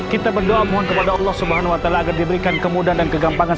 kita berdoa mohon kepada allah subhanahu wa ta'ala agar diberikan kemudahan dan kegampangan